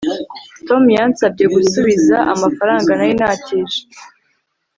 tom yansabye gusubiza amafaranga nari natije